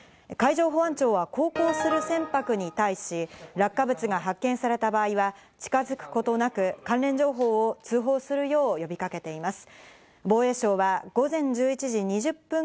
海上保安庁は航行する船舶に対し、落下物が発見された場合は、近づくことなく関連情報を通報するよう呼びかけています。